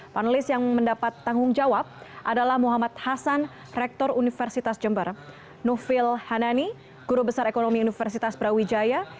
panelis yang mendapat tanggung jawab adalah muhammad hasan rektor universitas jember novil hanani guru besar ekonomi universitas brawijaya